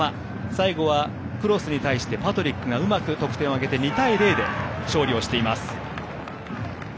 最後はクロスに対してパトリックがうまく得点を挙げて２対０勝利をしています。